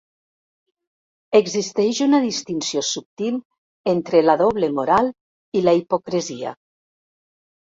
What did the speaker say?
Existeix una distinció subtil entre la doble moral i la hipocresia.